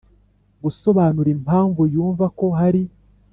Gusobanura impamvu yumva ko hari